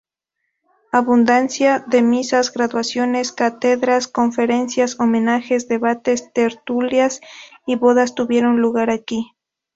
Abundancia de misas, graduaciones, cátedras, conferencias, homenajes, debates, tertulias y bodas tuvieron lugar aquí.